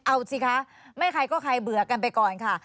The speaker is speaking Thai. เอาสิคะไม่ใครก็ใครเบื่อกันไปก่อนค่ะ